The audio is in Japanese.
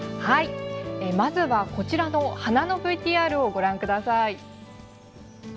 まずはこちらの花のＶＴＲをご覧ください。